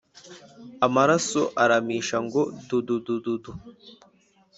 amaraso aramisha ngo dudududu